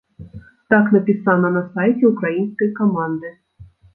Так напісана на сайце ўкраінскай каманды.